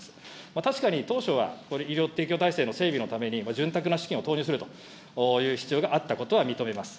確かに当初は、これ、医療提供体制の整備のために、潤沢な資金を投入するという必要があったことは認めます。